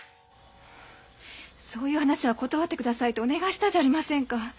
そういう話は断ってくださいとお願いしたじゃありませんか。